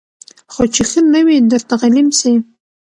خو چي ښه نه وي درته غلیم سي